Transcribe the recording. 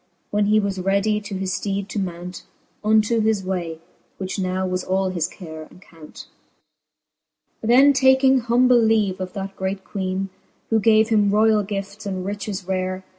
When he was readie to his fteede to mount, Unto his way, which now was all his care and count. XVII. Then taking humble leave of that great Queene, Who gave him roiall gifts and riches rare.